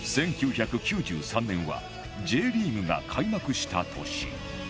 １９９３年は Ｊ リーグが開幕した年